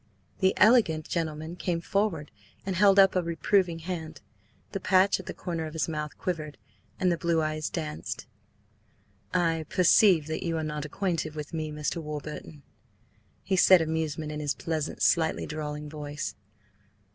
The elegant gentleman came forward and held up a reproving hand. The patch at the corner of his mouth quivered, and the blue eyes danced. "I perceive that you are not acquainted with me, Mr. Warburton," he said, amusement in his pleasant, slightly drawling voice.